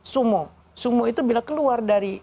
sumo sumo itu bila keluar dari